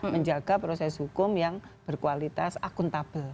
menjaga proses hukum yang berkualitas akuntabel